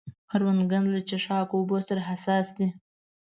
کروندګر له څښاک اوبو سره حساس دی